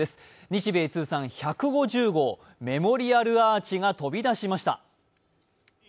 日米通算１５０号、メモリアルアーチが飛び出しました。